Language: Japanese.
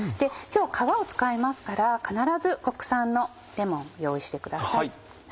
今日は皮を使いますから必ず国産のレモン用意してください。